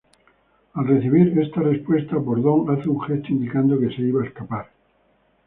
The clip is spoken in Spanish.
Al recibir esta respuesta Bordón hace un gesto indicando que se iba a escapar.